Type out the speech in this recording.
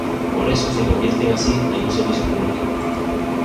Por eso se convierten así en un servicio público.